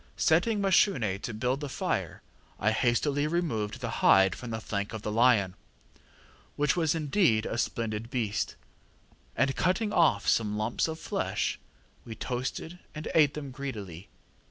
Setting Mashune to build up the fire I hastily removed the hide from the flank of the lion, which was indeed a splendid beast, and cutting off some lumps of flesh, we toasted and ate them greedily.